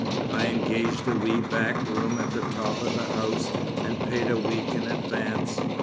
I engaged a wee back room at the top of the house, and paid a week in advance.